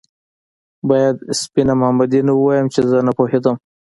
باید سپينه مامدينه ووايم چې زه نه پوهېدم